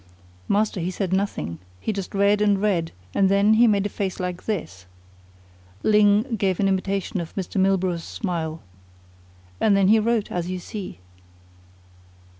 "Master, he said nothing. He just read and read, and then he made a face like this." Ling gave an imitation of Mr. Milburgh's smile. "And then he wrote as you see."